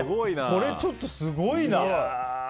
これ、ちょっとすごいな。